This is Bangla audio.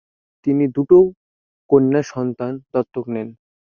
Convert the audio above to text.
তিনি দুটি কন্যা সন্তান দত্তক নেন।